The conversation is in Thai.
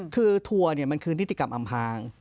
คือทัวร์มันคือนิติกรรมอำพาง